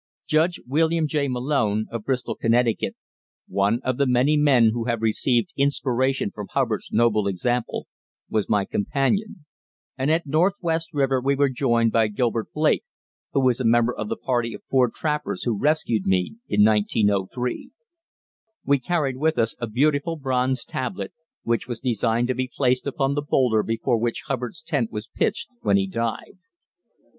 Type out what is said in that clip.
Judge William J. Malone, of Bristol, Connecticut, one of the many men who have received inspiration from Hubbard's noble example, was my companion, and at Northwest River we were joined by Gilbert Blake, who was a member of the party of four trappers who rescued me in 1903. We carried with us a beautiful bronze tablet, which was designed to be placed upon the boulder before which Hubbard's tent was pitched when he died.